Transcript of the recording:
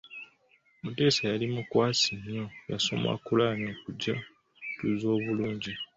Mutesa yali mukwasi nnyo, yasoma Koraani okugyatuza obulungi.